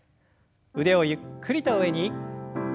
腕をゆっくりと上に。